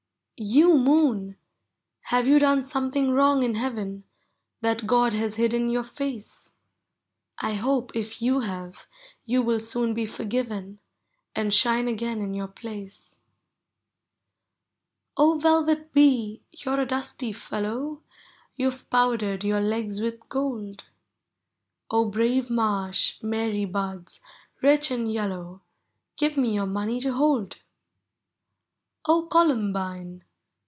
You Moon! have you done something wrong in heaven, That Mod has hidden your face? 1 hope, if you have, you will soon be forgiven, And shine again in your place. Digitized by Googh ! ABOUT GUILD It EN. 49 O velvet Bee ! you 're a dusty fellow, — You 've powdered your legs with gold. O brave marsh Mary buds, rich and yellow, Give me your money to hold! () Columbine!